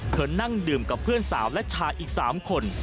นั่งดื่มกับเพื่อนสาวและชายอีก๓คน